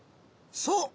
そう！